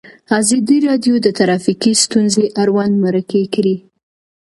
ازادي راډیو د ټرافیکي ستونزې اړوند مرکې کړي.